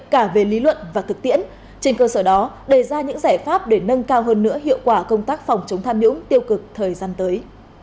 cả về lý luận và thực tiễn trên cơ sở đó đề ra những giải pháp để nâng cao hơn nữa hiệu quả công tác phòng chống tham nhũng tiêu cực thời gian tới